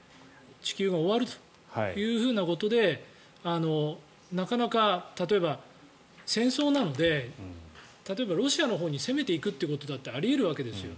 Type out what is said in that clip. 地球が終わるということでなかなか例えば戦争なので例えば、ロシアのほうに攻めていくことだってあり得るわけですよ。